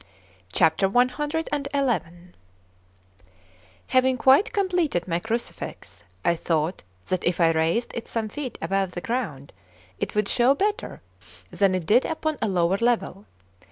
p. 583. CXI HAVING quite completed my crucifix, I thought that if I raised it some feet above the ground, it would show better than it did upon a lower level.